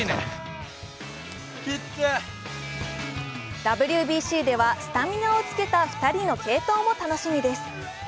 ＷＢＣではスタミナをつけた２人の継投も楽しみです。